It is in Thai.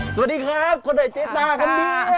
สวัสดีครับคนไทยเจ๊ตาคันนี้